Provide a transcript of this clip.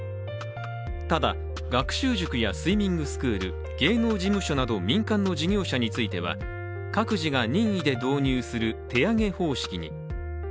ただ学習塾やスイミングスクール芸能事務所など、民間の事業者については各自が任意で導入する手挙げ方式に。